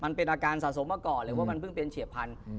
มันเป็นอาการสะสมมาก่อนหรือว่ามันเพิ่งเป็นเฉียบพันธุ์